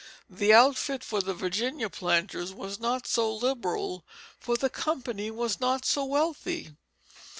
The outfit for the Virginia planters was not so liberal, for the company was not so wealthy.